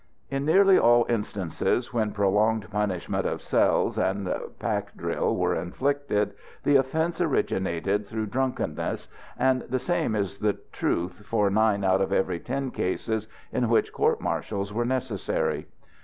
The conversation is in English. In nearly all instances when prolonged punishments of "cells" and pack drill were inflicted the offences originated through drunkenness; and the same is the truth for nine out of every ten cases in which court martials were necessary.